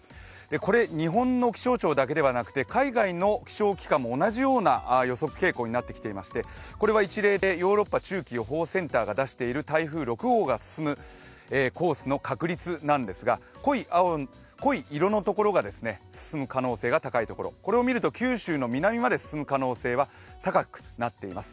これ、日本の気象庁だけではなくて海外の気象機関も同じ様な予測傾向になってきていまして、これは一例でヨーロッパ中期予報センターが出している台風６号が進むコースの確率なんですが、濃い色のところが進む可能性が高いところこれを見ると九州の南まで進む可能性が高くなっています。